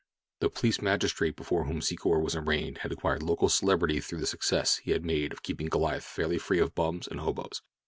The police magistrate before whom Secor was arraigned had acquired local celebrity through the success he had made of keeping Goliath fairly free of bums and hoboes.